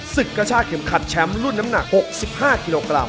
กระชากเข็มขัดแชมป์รุ่นน้ำหนัก๖๕กิโลกรัม